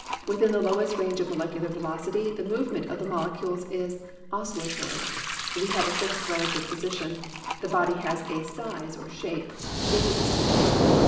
Within the lowest range of molecular velocity the movement of the mole cules is oscillatory ; we have a fixed relative position ; the body has a size or shape; it is a solid.